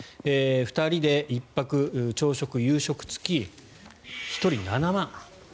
２人で１泊朝食・夕食付き１人７万。